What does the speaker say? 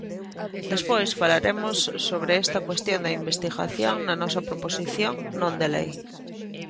Despois falaremos sobre esta cuestión da investigación na nosa proposición non de lei.